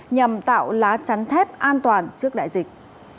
nhằm tạo lá chắn thép an toàn trước đại dịch